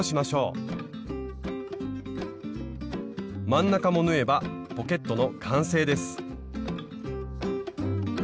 真ん中も縫えばポケットの完成です